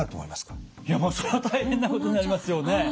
いやそりゃ大変なことになりますよね。